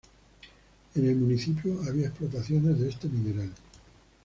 En el municipio había explotaciones de este mineral.